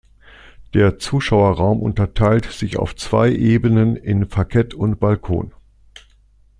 Der Zuschauerraum unterteilt sich auf zwei Ebenen in Parkett und Balkon.